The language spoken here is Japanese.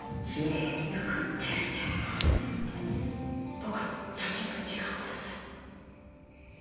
僕に３０分時間をください。